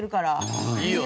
いいよね。